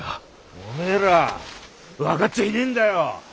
おめえら分かっちゃいねえんだよ！